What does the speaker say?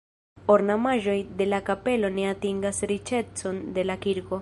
Ornamaĵoj de la kapelo ne atingas riĉecon de la kirko.